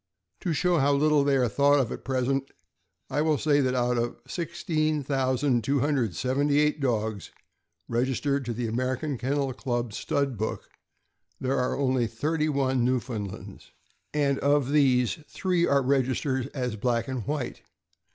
To show how little they are thought of at present, I will say that out of 16,278 dogs registered in the American Kennel Club Stud Book, there are only thirty one Newfoundlands, and of these, three are registered as black and white.